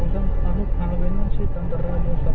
หากมองใครลูกหลงไปยังหลงไปยัง